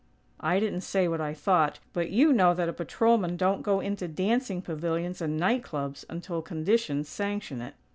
I didn't say what I thought, but you know that a patrolman don't go into dancing pavilions and night clubs until conditions sanction it."